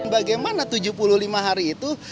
bagaimana tujuh puluh lima hari itu